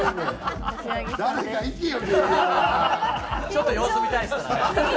ちょっと様子見たいですからね。